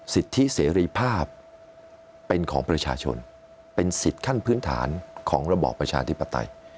สิทธิเสรีภาพเป็นของประชาชนเป็นสิทธิ์ขั้นพื้นฐานของระบอบประชาธิปไตย